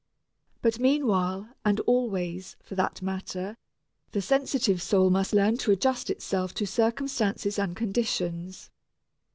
But meanwhile, and always, for that matter, the sensitive soul must learn to adjust itself to circumstances and conditions.